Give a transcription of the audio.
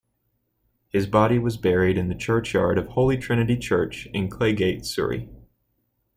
His body was buried in the churchyard of Holy Trinity Church, in Claygate, Surrey.